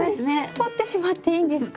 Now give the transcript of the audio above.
とってしまっていいんですか？